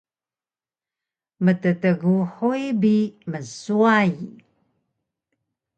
mttguhuy bi mnswayi